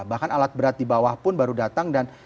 bahkan alat berat di bawah pun baru datang dan